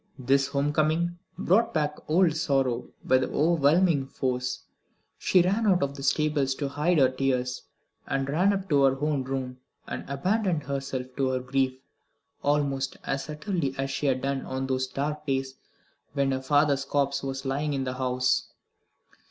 This home coming brought back the old sorrow with overwhelming force. She ran out of the stables to hide her tears, and ran up to her own room, and abandoned herself to her grief, almost as utterly as she had done on those dark days when her father's corpse was lying in the house.